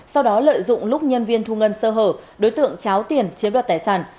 sau đó lợi dụng lúc nhân viên thu ngân sơ hở đối tượng cháo tiền chiếm đoạt tài sản